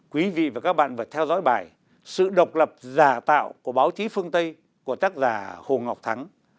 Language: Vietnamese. quý vị và các bạn vừa theo dõi bài sự độc lập giả tạo của báo chí phương tây của tác giả hồ ngọc thắng